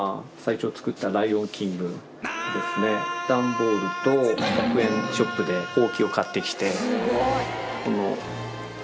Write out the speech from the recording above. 段ボールと１００円ショップでほうきを買ってきて。